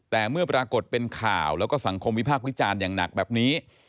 แต่เมื่อปรากฏเป็นข่าวแล้วก็สังคมวิพากษ์วิจารณ์อย่างหนักแบบนี้